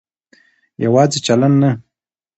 يواځې چلن نه